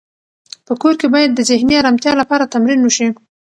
په کور کې باید د ذهني ارامتیا لپاره تمرین وشي.